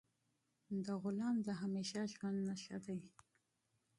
د غلام د همیشه ژوند نه ښه دی.